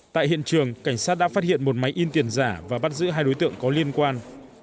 tại hiện trường cảnh sát đã phát hiện một máy in tiền giả và bắt giữ hai đối tượng có liên quan